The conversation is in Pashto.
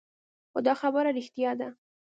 خو دا خبره رښتيا ده.